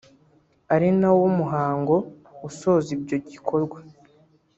ari nawo muhango usoza ibyo gikorwa